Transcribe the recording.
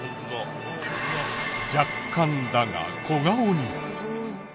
若干だが小顔に！